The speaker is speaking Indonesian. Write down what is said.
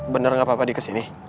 bener gak apa apa di kesini